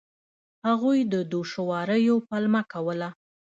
هغوی د دوشواریو پلمه کوله.